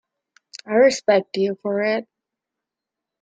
I respect you for it.